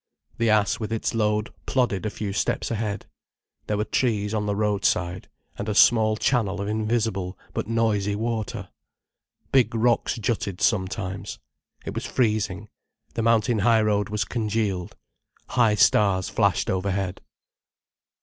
The ass with its load plodded a few steps ahead. There were trees on the road side, and a small channel of invisible but noisy water. Big rocks jutted sometimes. It was freezing, the mountain high road was congealed. High stars flashed overhead.